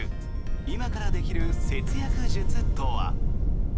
今からできる節約術とは。